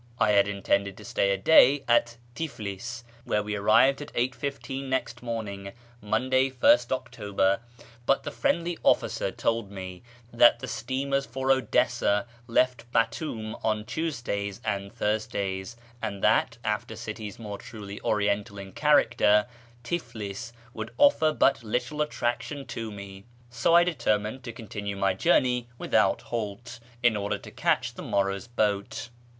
I had intended to stay a day at Tiflis, where we arrived at 8.15 next morning (Monday, 1st October), but the friendly officer told me that the steamers for Odessa left Batoum on Tuesdays and Thursdays, and that, after cities more truly Oriental in character, Tiflis would offer but little attraction to me, so I determined to continue my journey without halt, in order to catch the morrow's boat.